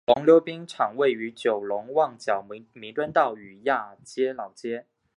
九龙溜冰场位于九龙旺角弥敦道与亚皆老街。